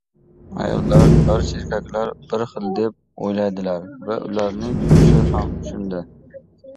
Ayollar, barcha erkaklar bir xil, deb o‘ylaydilar va ularning kuchi ham shunda;